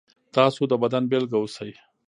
تاسو د بدلون بیلګه اوسئ.